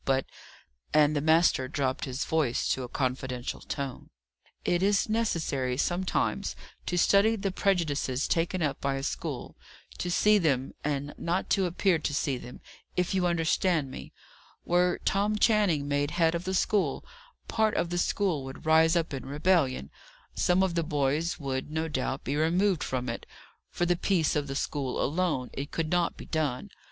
But," and the master dropped his voice to a confidential tone, "it is necessary sometimes to study the prejudices taken up by a school; to see them, and not to appear to see them if you understand me. Were Tom Channing made head of the school, part of the school would rise up in rebellion; some of the boys would, no doubt, be removed from it. For the peace of the school alone, it could not be done.